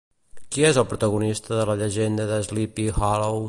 Qui és el protagonista de La llegenda de Sleepy Hollow?